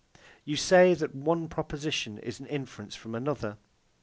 You say that the one proposition is an inference from the other.